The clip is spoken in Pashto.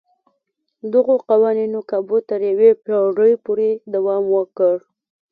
دغو قوانینو کابو تر یوې پېړۍ پورې دوام وکړ.